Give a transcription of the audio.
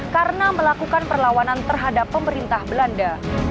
karena melakukan perlawanan terhadap pemerintah belanda